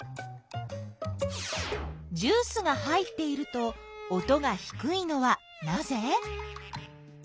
ジュースが入っていると音がひくいのはなぜ？